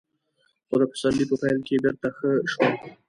خو د پسرلي په پيل کې بېرته ښه شول.